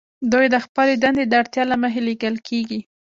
دوی د خپلې دندې د اړتیا له مخې لیږل کیږي